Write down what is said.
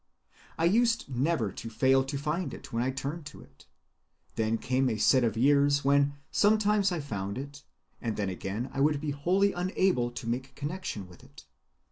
I used never to fail to find it when I turned to it. Then came a set of years when sometimes I found it, and then again I would be wholly unable to make connection with it.